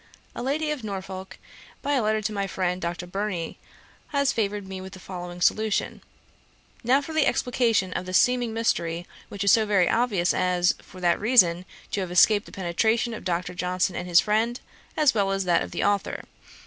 A Lady of Norfolk, by a letter to my friend Dr. Burney, has favoured me with the following solution: 'Now for the explication of this seeming mystery, which is so very obvious as, for that reason, to have escaped the penetration of Dr. Johnson and his friend, as well as that of the authour.